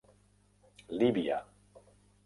Líbia.